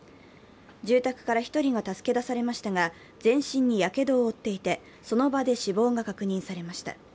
住宅から１人が助け出されましたが全身にやけどを負っていて、その場で死亡が確認されました。